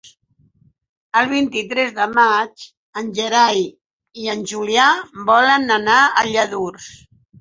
El vint-i-tres de maig en Gerai i en Julià volen anar a Lladurs.